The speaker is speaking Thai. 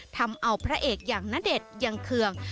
ทำเอาพระเอกอย่างณเดชน์ยังเคือง